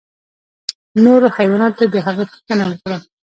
نورو حیواناتو د هغه پوښتنه وکړه.